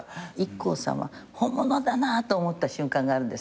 ＩＫＫＯさんは本物だなと思った瞬間があるんですね。